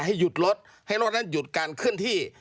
หยุดรถให้รถนั้นหยุดการเคลื่อนที่